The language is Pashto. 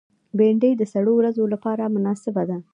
بېنډۍ د سړو ورځو لپاره مناسبه ده